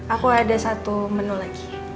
aku ada satu menu lagi